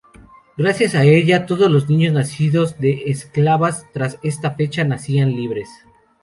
Gracias a ella, todos los niños nacidos de esclavas tras esta fecha nacían libres.